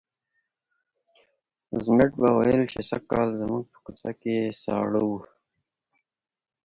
ضمټ به ویل چې سږکال زموږ په کوڅه کې ساړه وو.